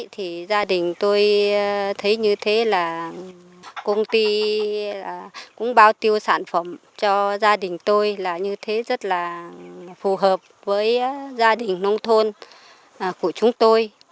thì gia đình tôi thấy như thế là công ty cũng bao tiêu sản phẩm cho gia đình tôi là như thế rất là phù hợp với gia đình nông thôn của chúng tôi